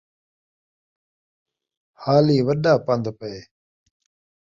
حالی وݙا پن٘دھ پئے